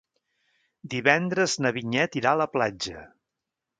Divendres na Vinyet irà a la platja.